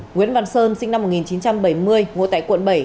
nguyễn văn sơn sinh năm một nghìn chín trăm bảy mươi ngụ tại quận bảy